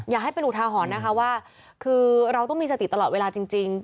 อยากให้เป็นอุทาหรณ์นะคะว่าคือเราต้องมีสติตลอดเวลาจริง